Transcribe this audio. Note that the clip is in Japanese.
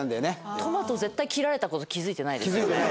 トマト絶対切られたこと気付いてないですよね。